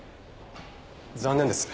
残念です。